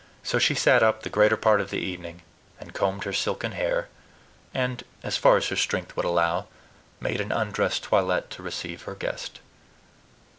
So she sat up the greater part of the evening, and combed her silken hair, and as far as her strength would allow, made an undress toilet to receive her guest.